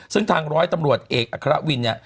ซึ่งทางร้อยตำรวจเอกอัครวินเนี่ย